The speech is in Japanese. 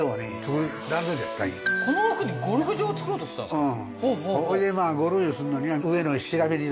この奥にゴルフ場を造ろうとしてたんですか？